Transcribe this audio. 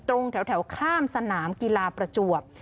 ตรงแถวข้ามสนามกีฬาประจวบ